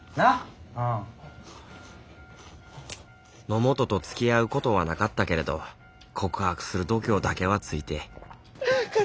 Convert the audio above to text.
野本とつきあうことはなかったけれど告白する度胸だけはついて肩！